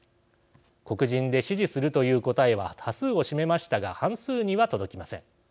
黒人で「支持する」という答えは多数を占めましたが半数には届きません。